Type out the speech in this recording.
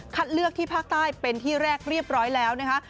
เลือกที่ภาคใต้เป็นที่แรกเรียบร้อยแล้วนะคะ